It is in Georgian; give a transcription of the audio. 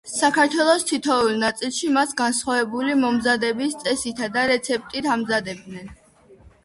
საქართველოს თითოეულ ნაწილში მას განსხვავებული მომზადების წესითა და რეცეპტით ამზადებენ.